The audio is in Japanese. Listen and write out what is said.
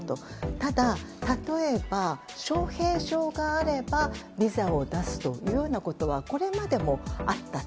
ただ、例えば招聘状があればビザを出すというようなことはこれまでもあったと。